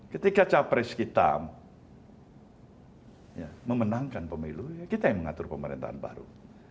ketika capres kita memenangkan pemilu kita yang mengatur pemerintahan baru